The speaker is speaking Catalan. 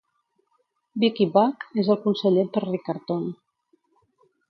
Vicki Buck és el Conseller per Riccarton.